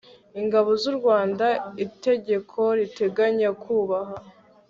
ingabo z u rwanda itegeko riteganya kubaha